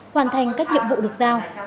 hoàn thành các nhiệm vụ được giao